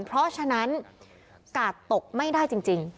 เพราะฉะนั้นกาดตกไม่ได้จริง